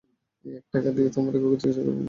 এই এক টাকা দিয়ে তোমার কুকুরের চিকিৎসা করাবো আমি।